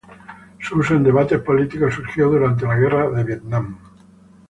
Su uso en debates políticos, surgió durante la Guerra de Vietnam.